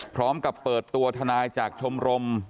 พร้อมกับเปิดตัวทนายจากชมรม